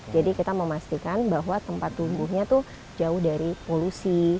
jadi kita memastikan bahwa tempat tumbuhnya tuh jauh dari polusi